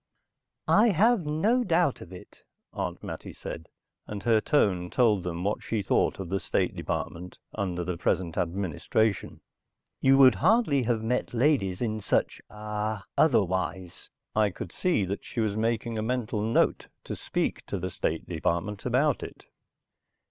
"I have no doubt of it," Aunt Mattie said, and her tone told them what she thought of the State Department under the present administration. "You would hardly have met ladies in such ah otherwise." I could see that she was making a mental note to speak to the State Department about it.